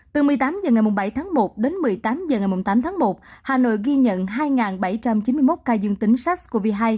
từ một mươi tám h ngày bảy tháng một đến một mươi tám h ngày tám tháng một hà nội ghi nhận hai bảy trăm chín mươi một ca dương tính sars cov hai